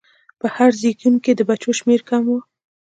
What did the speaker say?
په هر زېږون کې د بچو شمېر کم و.